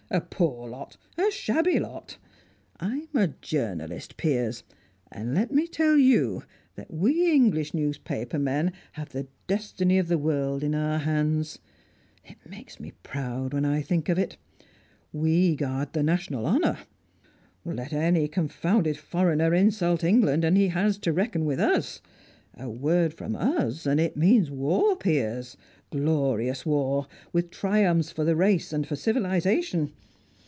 A poor lot! A shabby lot! I'm a journalist, Piers, and let me tell you that we English newspaper men have the destiny of the world in our hands. It makes me proud when I think of it. We guard the national honour. Let any confounded foreigner insult England, and he has to reckon with us. A word from us, and it means war, Piers, glorious war, with triumphs for the race and for civilisation!